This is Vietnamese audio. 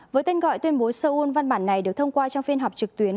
với tên gọi tuyên bố seoul văn bản này được thông qua trong phiên họp trực tuyến